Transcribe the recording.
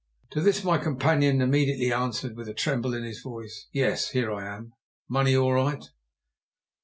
To this my companion immediately answered, with a tremble in his voice, "Yes, here I am!" "Money all right?"